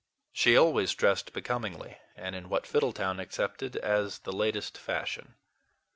She always dressed becomingly, and in what Fiddletown accepted as the latest fashion.